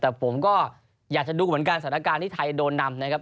แต่ผมก็อยากจะดูเหมือนกันสถานการณ์ที่ไทยโดนนำนะครับ